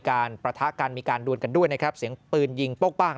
ปะทะกันมีการดวนกันด้วยนะครับเสียงปืนยิงโป้งป้าง